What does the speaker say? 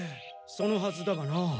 そのはずだがな。